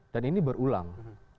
dan ini berulang